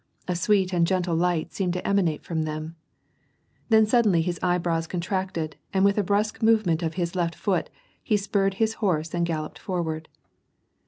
(A sweet and gentle light seemed to emanate from them.) Tmn suddenly his eye brows contracted, and with a brusque movement of his leffc foot he spurred his horse and galloped forward.